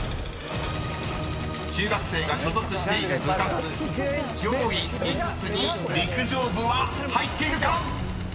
［中学生が所属している部活上位５つに陸上部は入っているか⁉］